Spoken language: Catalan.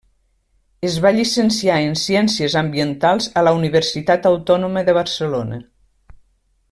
Es va llicenciar en ciències ambientals a la Universitat Autònoma de Barcelona.